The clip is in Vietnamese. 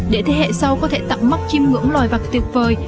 để thế hệ sau có thể tặng móc chim ngưỡng loài vật tuyệt vời